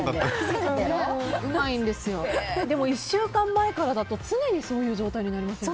でも１週間前からだと常にそういう状態になりませんか。